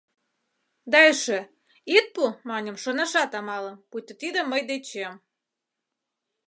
Да эше: ит пу, маньым, шонашат амалым, пуйто тиде мый дечем!